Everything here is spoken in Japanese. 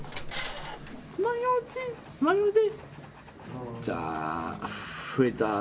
つまようじつまようじ。